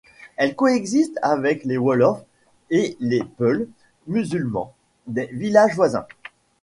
Elle coexiste avec les Wolofs et les Peuls – musulmans – des villages voisins.